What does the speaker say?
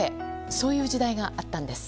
そういう時代があったんです。